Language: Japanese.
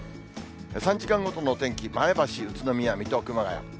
３時間ごとの天気、前橋、宇都宮、水戸、熊谷。